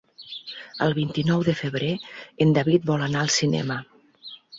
El vint-i-nou de febrer en David vol anar al cinema.